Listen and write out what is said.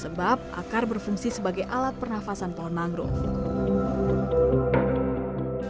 sebab akar berfungsi sebagai alat pernafasan pohon mangrove